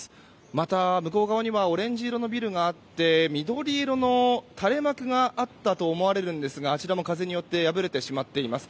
また、向こう側にはオレンジ色のビルがあって緑色の垂れ幕があったと思われますがあちらの風によって破れてしまっています。